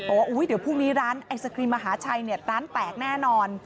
บอกว่าเดี๋ยวพรุ่งนี้ร้านไอศครีมมหาชัยเนี่ยร้านแตกแน่นอน